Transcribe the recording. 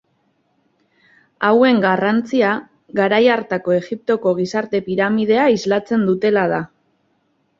Hauen garrantzia, garai hartako Egiptoko gizarte piramidea islatzen dutela da.